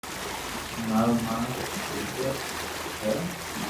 ھون مارو ما رو لاڌڪو ديڪرو ھون